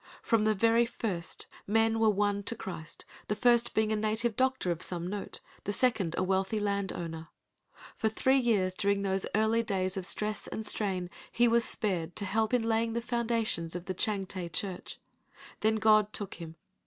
From the very first men were won to Christ; the first being a native doctor of some note, the second a wealthy land owner. For three years during those early days of stress and strain, he was spared to help in laying the foundations of the Changte Church. Then God took him.